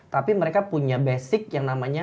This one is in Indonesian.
tapi mereka punya basic yang namanya